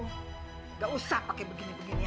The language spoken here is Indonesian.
nggak usah pakai begini begini ya